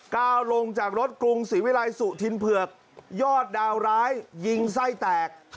ลงจากรถกรุงศรีวิรัยสุธินเผือกยอดดาวร้ายยิงไส้แตก